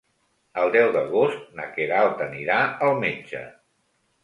El deu d'agost na Queralt anirà al metge.